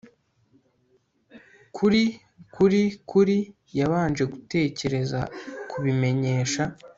kuri kuri kuri. yabanje gutekereza kubimenyesha